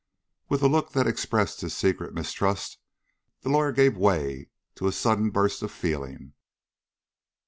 With a look that expressed his secret mistrust the lawyer gave way to a sudden burst of feeling.